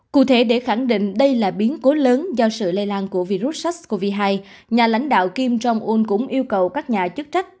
cụ thể để khẳng định đây là biến cố lớn do sự lây lan của virus sars cov hai nhà lãnh đạo kim jong un cũng yêu cầu các nhà chức trách